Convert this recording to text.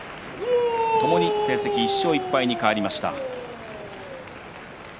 ともに成績１勝１敗に変わりました。